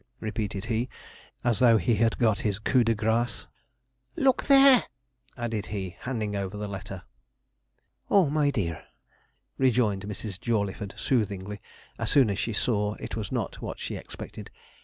repeated he, as though he had got his coup de grâce; 'look there,' added he, handing over the letter. 'Oh, my dear,' rejoined Mrs. Jawleyford soothingly, as soon as she saw it was not what she expected.